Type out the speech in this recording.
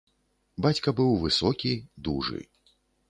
Бацька быў высокі, дужы.